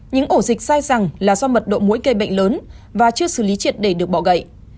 những ổ dịch dài rằng là do mật độ mũi gây bệnh lớn và chưa xử lý triệt để được bỏ gậy